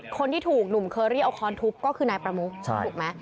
คนที่ถูกหนุ่มเคอรี่เอาค้อนทุบก็คือนายประมุกถูกไหม